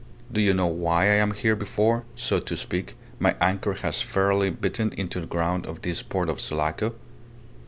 Do you know why I am here before, so to speak, my anchor has fairly bitten into the ground of this port of Sulaco?"